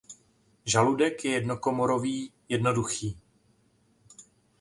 Žaludek je jednokomorový jednoduchý.